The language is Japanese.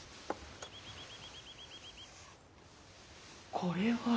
これは。